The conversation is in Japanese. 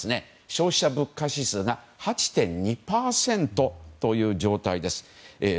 消費者物価指数が８．２％という状態です。